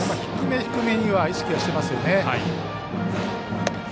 低め低めには意識はしてますよね。